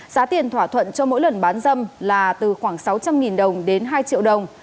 giá tiền thỏa thuận cho mỗi lần bán dâm là từ khoảng sáu trăm linh đồng đến hai triệu đồng